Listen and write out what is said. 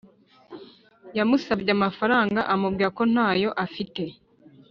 yamusabye amafaranga amubwira ko ntayo afite